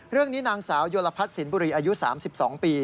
เรื่องนี้นางสาวโยลพัฒน์สินบุรีอายุ๓๒ปี